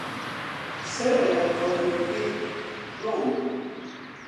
سەرەڕای قەڵەوییەکەی، جوان بوو.